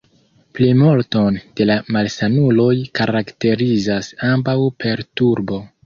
Plimulton de la malsanuloj karakterizas ambaŭ perturbo.